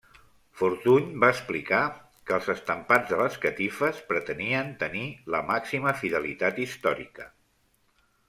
Fortuny va explicar que els estampats de les catifes pretenien tenir la màxima fidelitat històrica.